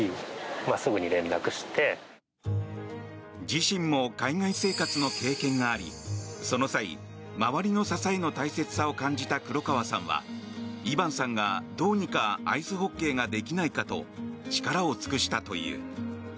自身も海外生活の経験がありその際、周りの支えの大切さを感じた黒川さんはイバンさんがどうにかアイスホッケーができないかと力を尽くしたという。